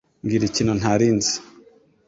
Mbwira ikintu ntari nzi.